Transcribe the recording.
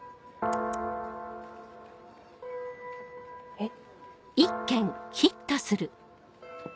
えっ。